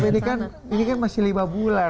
tapi ini kan masih lima bulan